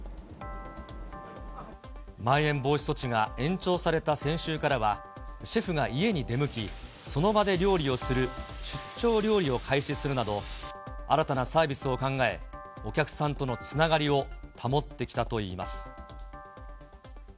まん延防止措置が延長された先週からは、シェフが家に出向き、その場で料理をする出張料理を開始するなど、新たなサービスを考え、お客さんとのつながりを保ってきたといいます。